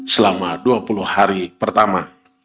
selama dua puluh hari pertama